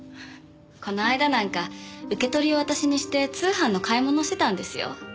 この間なんか受け取りを私にして通販の買い物してたんですよ。